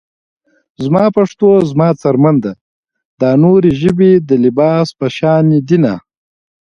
زما پښتو زما څرمن ده - دا نورې ژبې د لباس په شاندې دينه